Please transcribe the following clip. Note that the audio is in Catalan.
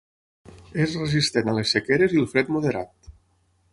És resistent a les sequeres i el fred moderat.